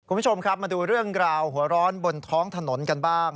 คุณผู้ชมครับมาดูเรื่องราวหัวร้อนบนท้องถนนกันบ้าง